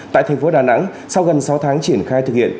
tại thành phố đà nẵng sau gần sáu tháng triển khai thực hiện